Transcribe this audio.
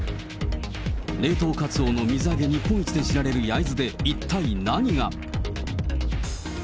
冷凍カツオの水揚げ日本一で知られる焼津で、一体何が？